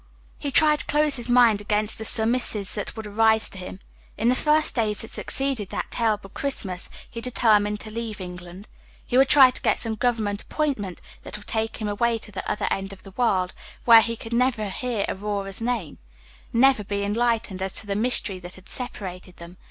He tried to close his mind against the surmises that would arise to him. In the first days that succeeded that terrible Christmas he determined to leave England. He would try to get some government appointment that would take him away to the other end of the world, where he could never hear Aurora's name never be enlightened as to the mystery that had separated them.